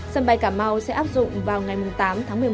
sân bay cà mau sẽ áp dụng vào ngày tám tháng một mươi một